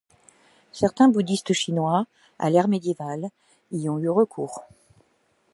Certains bouddhistes chinois, à l'ère médiévale, y ont eu recours.